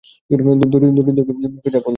দড়ির দৈর্ঘ্য মেপে যা বুঝলাম!